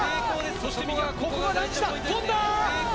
そして、ここがランジだ、跳んだ。